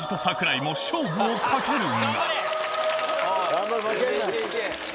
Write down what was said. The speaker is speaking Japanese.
頑張れ負けんな。